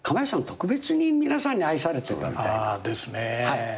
特別に皆さんに愛されてたみたいな。ですね。